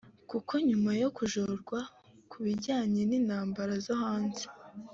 kuko nyuma yo kujorwa ku bijyanye n’intambara zo hanze